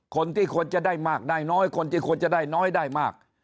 คนที่ควรจะได้มากได้น้อยคนที่ควรจะได้น้อยได้มาก